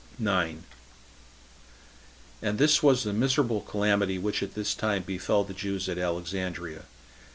9. And this was the miserable calamity which at this time befell the Jews at Alexandria.